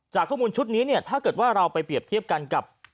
ข้อมูลชุดนี้เนี่ยถ้าเกิดว่าเราไปเปรียบเทียบกันกับ